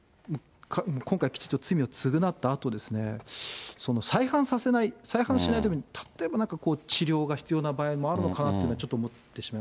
今回きちっと罪を償ったあと、再犯させない、再犯しないために、例えば、何か治療が必要な場合もあるのかなと、ちょっと思ってし